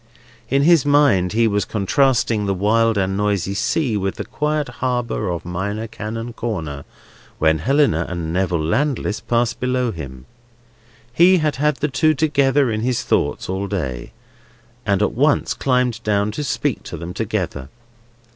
In his mind he was contrasting the wild and noisy sea with the quiet harbour of Minor Canon Corner, when Helena and Neville Landless passed below him. He had had the two together in his thoughts all day, and at once climbed down to speak to them together.